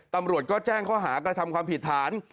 ตำรวจก็แจ้งข้อหากระทำความผิดฐาน